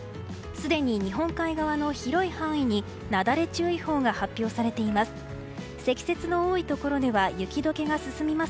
すでに日本海側の広い範囲になだれ注意報が発表されています。